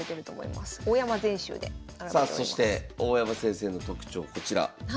さあそして大山先生の特徴こちら。